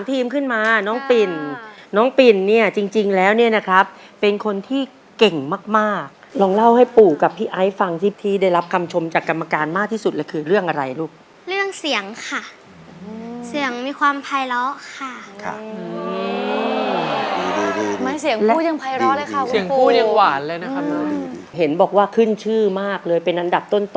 ตอนนี้ยกที่๘แล้วนะครับกังวลอะไรมากที่สุดครับ